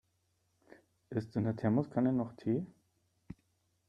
Ist in der Thermoskanne noch Tee?